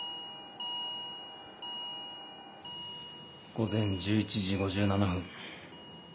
午前１１時５７分。